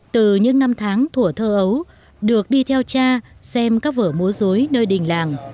từ những năm tháng thủa thơ ấu được đi theo cha xem các vở múa dối nơi đình làng